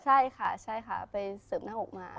ใช่ค่ะไปเสริมหน้าอกมา